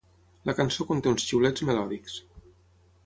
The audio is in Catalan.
La cançó conté uns xiulets melòdics.